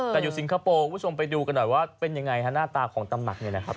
แต่อยู่สิงคโปร์คุณผู้ชมไปดูกันหน่อยว่าเป็นยังไงฮะหน้าตาของตำหนักเนี่ยนะครับ